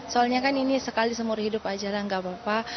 soalnya kan ini sekali seumur hidup aja lah nggak apa apa